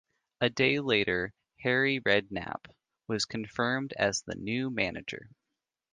A day later, Harry Redknapp was confirmed as the new manager.